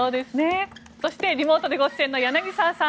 そしてリモートでご出演の柳澤さん